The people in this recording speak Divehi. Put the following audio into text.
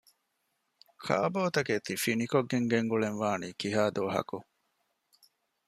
ކާބޯތަކެތި ފިނިކޮށްގެން ގެންގުޅެން ވާނީ ކިހާ ދުވަހަކު؟